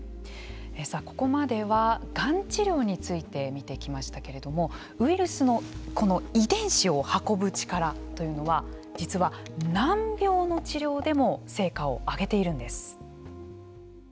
ここまではがん治療について見てきましたけれどもウイルスの遺伝子を運ぶ力というのは実は、難病の治療でも成果を上げているんです。